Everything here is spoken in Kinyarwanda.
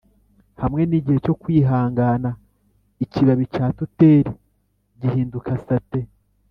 hamwe nigihe no kwihangana ikibabi cya tuteri gihinduka satin.